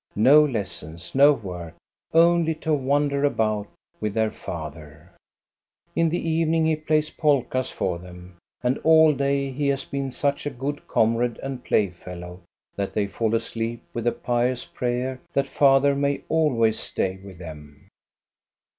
No lessons, no work ; only to wander about with their father ! In the evening he plays polkas for them, and all day he has been such a good comrade and playfellow that they fall asleep with a pious prayer that father may always stay with them.